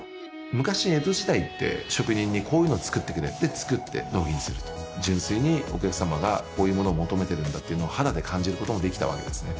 昔江戸時代って職人にこういうの作ってくれで作って納品すると純粋にお客様がこういうものを求めてるんだっていうのを肌で感じることもできたわけですね